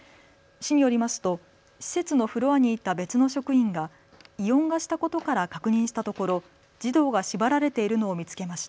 市によりますと施設のフロアにいた別の職員が異音がしたことから確認したところ児童が縛られているのを見つけました。